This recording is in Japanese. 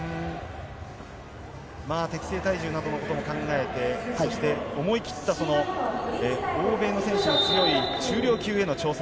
適正体重なども考えて思い切った欧米の選手が強い重量級への挑戦。